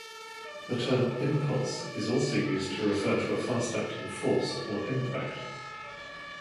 The term "impulse" is also used to refer to a fast-acting force or impact.